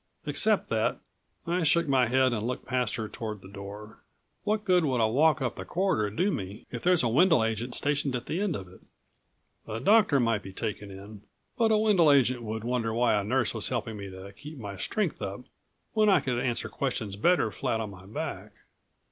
Except that " I shook my head and looked past her toward the door. "What good would a walk up the corridor do me if there's a Wendel agent stationed at the end of it? A doctor might be taken in, but a Wendel agent would wonder why a nurse was helping me to keep my strength up when I could answer questions better flat on my back.